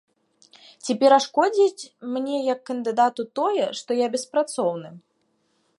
Ці перашкодзіць мне як кандыдату тое, што я беспрацоўны?